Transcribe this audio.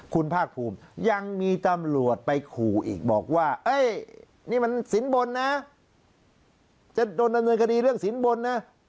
คุณภาคภูมิยังมีตำรวจไปขู่อีกบอกว่านี่มันสินบนนะจะโดนดำเนินคดีเรื่องสินบนนะ